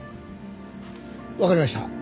わかりました。